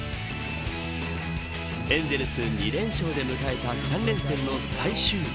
エンゼルス２連勝で迎えた３連戦の最終日。